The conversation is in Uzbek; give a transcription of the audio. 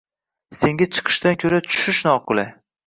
Senga chiqishdan ko’ra tushish noqulay.